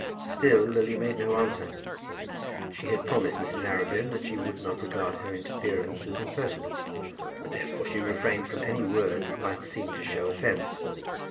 Still Lily made no answer. She had promised Mrs. Arabin that she would not regard her interference as impertinent, and therefore she refrained from any word that might seem to show offence.